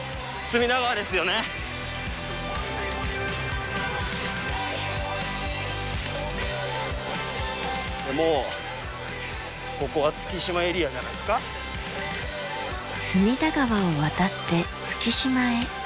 隅田川を渡って月島へ。